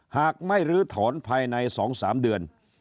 หากไม่ลื้อถอนภายใน๒๓เดือน